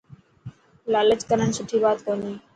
لالچ ڪرڻ سٺي بات ڪونهي.